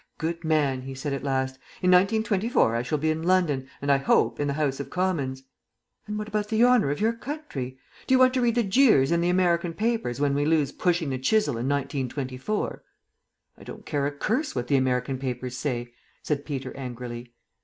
"My good man," he said at last, "in 1924 I shall be in London; and I hope in the House of Commons." "And what about the honour of your country? Do you want to read the jeers in the American papers when we lose 'Pushing the Chisel' in 1924?" "I don't care a curse what the American papers say," said Peter angrily.